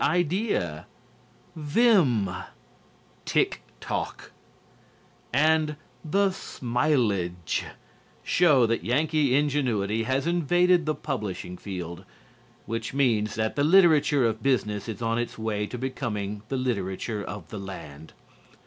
Idea," "Vim," "Tick Talk" and "The Smileage" show that Yankee ingenuity has invaded the publishing field, which means that the literature of business is on its way to becoming the literature of the land.